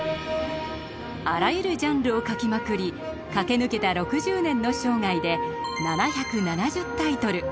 あらゆるジャンルを描きまくり駆け抜けた６０年の生涯で７７０タイトル。